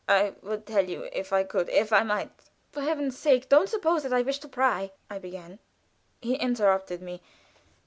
"I would tell you if I could if I might." "For Heaven's sake, don't suppose that I wish to pry " I began. He interrupted me.